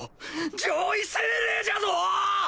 上位精霊じゃぞ！